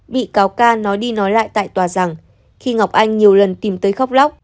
bị cáo ca nói đi nói lại tại tòa rằng khi ngọc anh nhiều lần tìm tới khóc lóc